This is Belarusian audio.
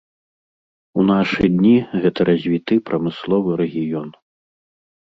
У нашы дні гэта развіты прамысловы рэгіён.